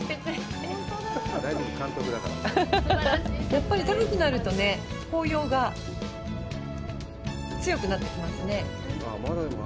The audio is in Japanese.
やっぱり、高くなるとね、紅葉が強くなってきますね。